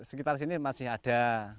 sekitar sini masih ada